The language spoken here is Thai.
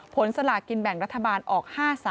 สลากินแบ่งรัฐบาลออก๕๓